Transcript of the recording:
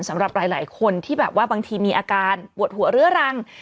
สำหรับหลายคนที่แบบว่าบางทีมีอาการปวดหัวเรื้อรัง